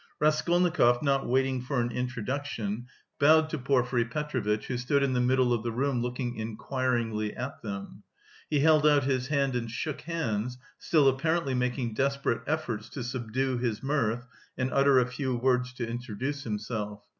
Raskolnikov, not waiting for an introduction, bowed to Porfiry Petrovitch, who stood in the middle of the room looking inquiringly at them. He held out his hand and shook hands, still apparently making desperate efforts to subdue his mirth and utter a few words to introduce himself.